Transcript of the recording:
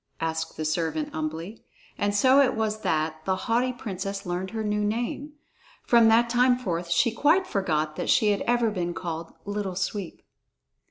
asked the servant humbly, and so it was that the haughty princess learned her new name. From that time forth she quite forgot that she had ever been called "Little Sweep."